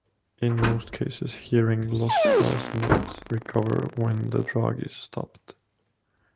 In most cases hearing loss does not recover when the drug is stopped.